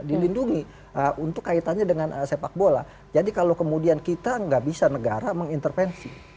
dilindungi untuk kaitannya dengan sepak bola jadi kalau kemudian kita nggak bisa negara mengintervensi